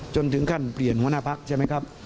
จนถึงขั้นเปลี่ยนหัวหน้าพักใช่ไหมครับ